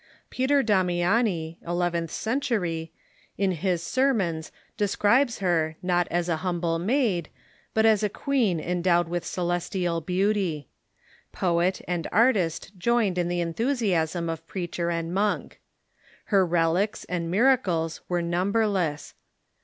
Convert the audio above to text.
Peter Damiani (eleventh century) in his ser mons describes her, not as a humble maid, but as a queen en dowed with celestial beauty. Poet and artist joined in the enthusiasm of preacher and monk. Her relics and miracles were numberless.